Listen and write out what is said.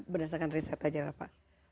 berdasarkan riset aja ya pak